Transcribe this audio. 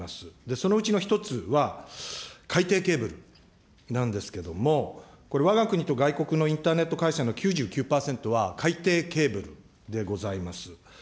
そのうちの１つは、海底ケーブルなんですけれども、これ、わが国と外国のインターネット回線の９９％は海底ケーブルでございます。